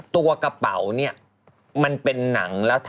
ซื้อแบบพอนด้วย